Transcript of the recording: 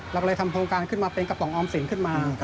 เราก็เลยทำโครงการขึ้นมาเป็นกระป๋องออมสินขึ้นมา